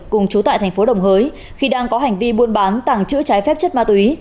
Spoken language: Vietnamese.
cùng chú tại tp đồng hới khi đang có hành vi mua bán tàng trữ trái phép chất ma túy